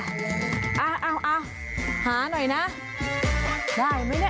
เอาเอาเอาหาหน่อยน่ะได้ไหมเนี่ย